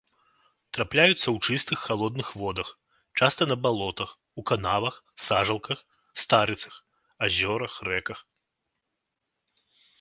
Трапляюцца ў чыстых, халодных водах, часта на балотах, у канавах, сажалках, старыцах, азёрах, рэках.